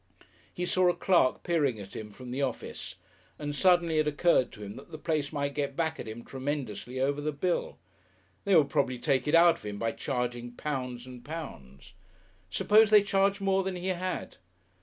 He saw a clerk peering at him from the office, and suddenly it occurred to him that the place might get back at him tremendously over the bill. They would probably take it out of him by charging pounds and pounds. Suppose they charged more than he had!